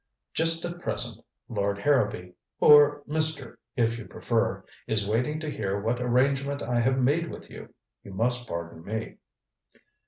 Just at present Lord Harrowby or Mr. if you prefer is waiting to hear what arrangement I have made with you. You must pardon me."